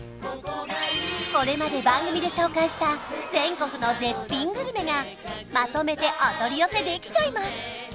これまで番組で紹介した全国の絶品グルメがまとめてお取り寄せできちゃいます